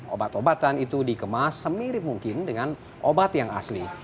obat obatan itu dikemas semirip mungkin dengan obat yang asli